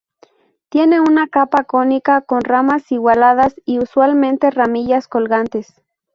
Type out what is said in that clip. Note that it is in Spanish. Tiene una copa cónica con ramas igualadas y usualmente ramillas colgantes.